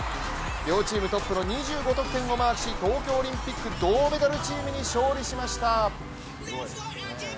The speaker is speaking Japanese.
両チームトップの２５得点をマークし東京オリンピック銅メダルチームに勝利しました。